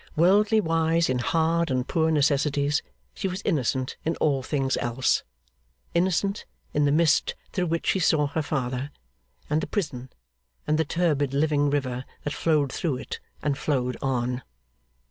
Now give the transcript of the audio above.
Worldly wise in hard and poor necessities, she was innocent in all things else. Innocent, in the mist through which she saw her father, and the prison, and the turbid living river that flowed through it and flowed on.